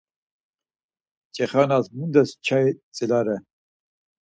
Çexanas mundes nçai tzilare?